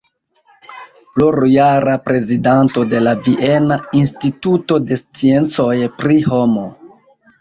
Plurjara prezidanto de la Viena Instituto de Sciencoj pri Homo.